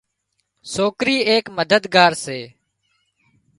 سوڪرِي ايڪ مددگار سي